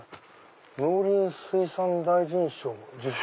「農林水産大臣賞受賞」。